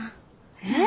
えっ？